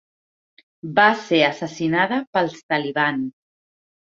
Va ser assassinada pels talibans.